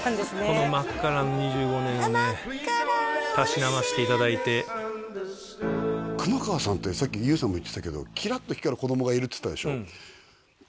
このマッカラン２５年をねたしなましていただいて熊川さんってさっきＹＯＵさんも言ってたけどキラッと光る子供がいるって言ったでしょ？